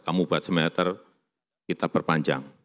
kamu buat smelter kita perpanjang